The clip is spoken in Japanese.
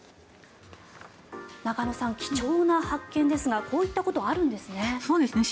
中野さん、貴重な発見ですがこういったことがあるんですね。